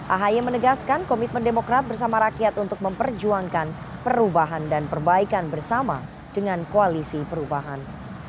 ahy menegaskan komitmen demokrat bersama rakyat untuk memperjuangkan perubahan dan perbaikan bersama dengan koalisi perubahan